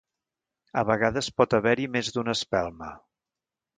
A vegades pot haver-hi més d'una espelma.